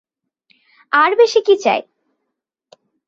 আর বেশি কী চাই?